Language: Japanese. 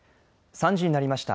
３時になりました。